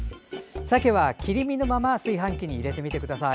鮭は切り身のまま炊飯器に入れてみてください。